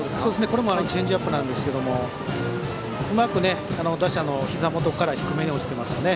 これもチェンジアップですがうまく打者のひざ元から低めに落ちています。